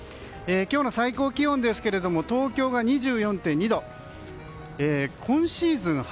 今日の最高気温ですが東京が２４．２度。